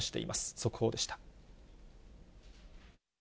速報でした。